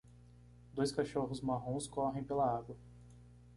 Dois cachorros marrons correm pela água.